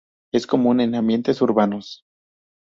Es común en ambientes urbanos.